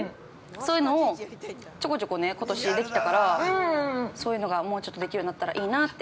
そういうのをちょこちょこことしできたからそういうのがもうちょっとできるようになったらいいなって。